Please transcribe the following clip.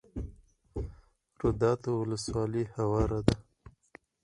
روداتو ولسوالۍ هواره ده؟